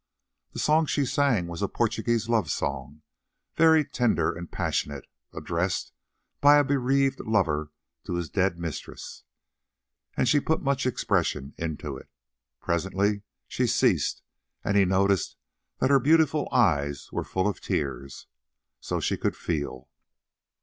The song she sang was a Portuguese love song, very tender and passionate, addressed by a bereaved lover to his dead mistress, and she put much expression into it. Presently she ceased, and he noticed that her beautiful eyes were full of tears. So she could feel!